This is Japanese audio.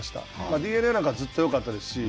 ＤｅＮＡなんかはずっとよかったですし。